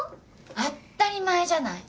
当ったり前じゃない。